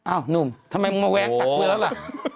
อ้าวหนุ่มทำไมมึงมาแว้งตัดเบื้อแล้วล่ะ